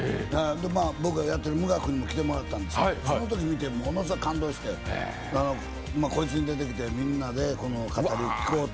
僕がやっているのに来てもらったんですけどそのときに見てものすごく感動して、こいつが出てきてかたり、聞こうと。